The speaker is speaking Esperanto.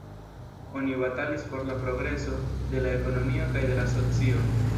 Oni batalis por la progreso de la ekonomio kaj de la socio.